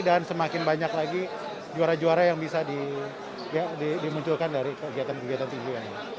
dan semakin banyak lagi juara juara yang bisa dimunculkan dari kegiatan kegiatan tinju